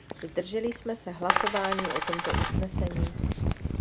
Zdrželi jsme se hlasování o tomto usnesení.